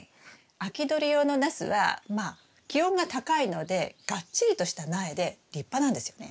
秋どり用のナスはまあ気温が高いのでがっちりとした苗で立派なんですよね。